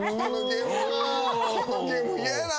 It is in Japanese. このゲーム嫌やな。